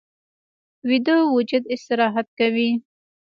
ویده وجود استراحت کوي